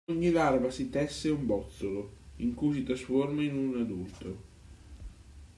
Ogni larva si tesse un bozzolo in cui si trasforma in un adulto.